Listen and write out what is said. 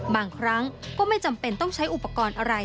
บางครั้งก็ไม่จำเป็นต้องใช้อุปกรณ์อะไร